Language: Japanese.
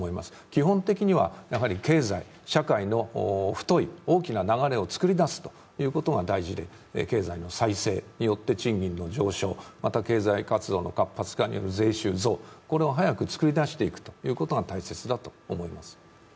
基本的には、経済、社会の太い大きな流れを作り出すということが大事で経済の再生によって賃金の上昇、また経済活動の活発化による税収増、これを早く作り出していくということが大切だと思います。